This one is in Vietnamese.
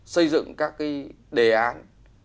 xây dựng các cái đề án